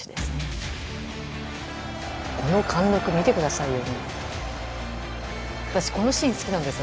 この貫禄、見てくださいよ。